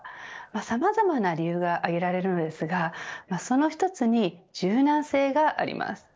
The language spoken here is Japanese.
さまざまな理由が挙げられるのですがその１つに柔軟性があります。